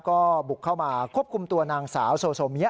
ก็บุกเข้ามาควบคุมตัวนางสาวโซเมีย